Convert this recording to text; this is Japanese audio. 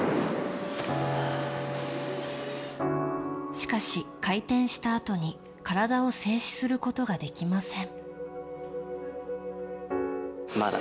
しかし、回転したあとに体を静止することができません。